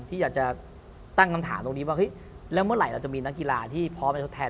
ที่อยากจะตั้งคำถามตรงนี้ว่าเฮ้ยแล้วเมื่อไหร่เราจะมีนักกีฬาที่พร้อมไปทดแทน